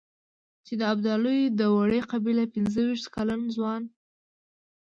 چې د ابدالیو د وړې قبيلې پنځه وېشت کلن ځوان.